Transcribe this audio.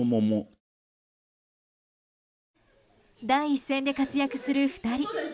第一線で活躍する２人。